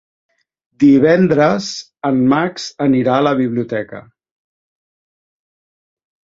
Divendres en Max anirà a la biblioteca.